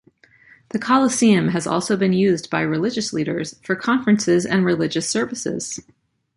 The Coliseum has also been used by religious leaders for conferences and religious services.